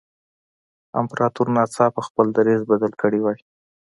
امپراتور ناڅاپه خپل دریځ بدل کړی وای.